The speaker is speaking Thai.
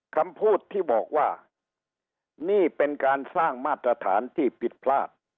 คำพูดที่บอกว่านี่เป็นการสร้างมาตรฐานที่ผิดพลาด